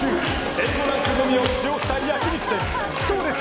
Ａ５ランクのみを使用した焼き肉店そうです！